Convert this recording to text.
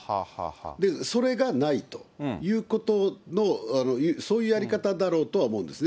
それがないということの、そういうやり方だろうとは思うんですね。